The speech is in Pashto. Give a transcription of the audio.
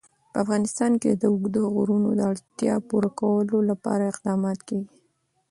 په افغانستان کې د اوږده غرونه د اړتیاوو پوره کولو لپاره اقدامات کېږي.